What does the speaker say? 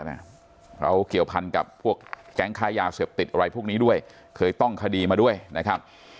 เราเกี่ยวพันกับพวกแก๊งค้ายาเสพติดอะไรพวกนี้ด้วยเคยต้องคดีมาด้วยนะครับ